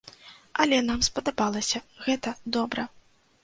Але нам спадабалася, гэта добра.